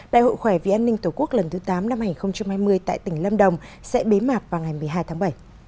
đại hội khỏe vì an ninh tổ quốc lần thứ tám năm hai nghìn hai mươi tại tỉnh lâm đồng sẽ bế mạc vào ngày một mươi hai tháng bảy